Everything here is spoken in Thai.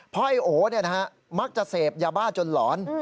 เพราะไอ้โอมักจะเสพยาบ้าจนหลอน